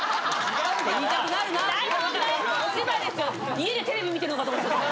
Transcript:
家でテレビ見てるのかと思っちゃった今。